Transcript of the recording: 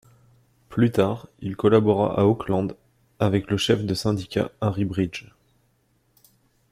Plus tard, il collabora à Oakland avec le chef de syndicat Harry Bridges.